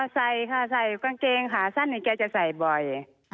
ใส่ค่ะใส่กางเกงขาสั้นแกจะใส่บ่อย